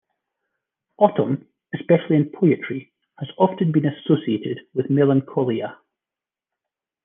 Autumn, especially in poetry, has often been associated with melancholia.